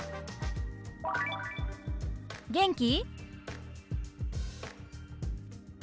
「元気？」。